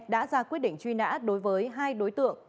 đã ra quyết định truy nã đối với hai đối tượng